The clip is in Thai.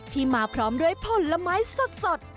มาพร้อมด้วยผลไม้สด